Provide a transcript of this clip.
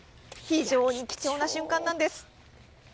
非常に貴重な瞬間なんです。